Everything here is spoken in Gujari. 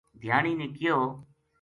دھیانی نے کہیو